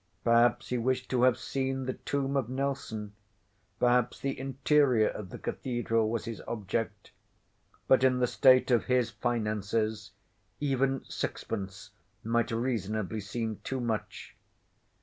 Perhaps he wished to have seen the tomb of Nelson. Perhaps the Interior of the Cathedral was his object. But in the state of his finances, even sixpence might reasonably seem too much.